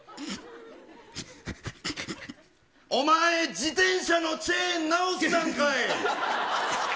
お前、自転車のチェーン直したんかい。